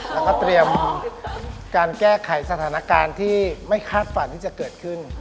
แล้วก็เตรียมการแก้ไขสถานการณ์ที่ไม่คาดฝันที่จะเกิดขึ้น